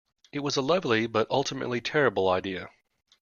It was a lovely but ultimately terrible idea.